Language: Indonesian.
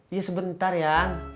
iya sebentar ya